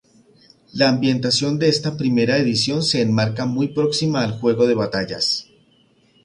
La ambientación de esta primera edición se enmarca muy próxima al juego de batallas.